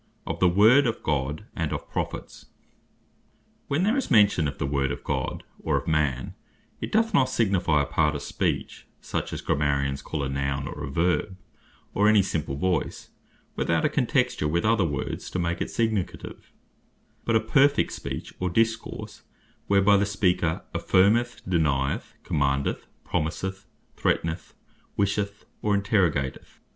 OF THE WORD OF GOD, AND OF PROPHETS Word What When there is mention of the Word of God, or of Man, it doth not signifie a part of Speech, such as Grammarians call a Nown, or a Verb, or any simple voice, without a contexture with other words to make it significative; but a perfect Speech or Discourse, whereby the speaker Affirmeth, Denieth, Commandeth, Promiseth, Threateneth, Wisheth, or Interrogateth.